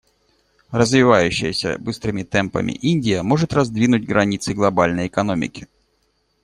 Развивающаяся быстрыми темпами Индия может раздвинуть границы глобальной экономики.